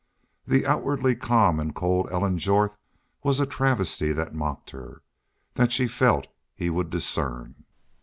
The outwardly calm and cold Ellen Jorth was a travesty that mocked her that she felt he would discern.